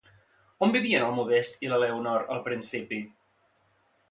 On vivien el Modest i l'Eleonor al principi?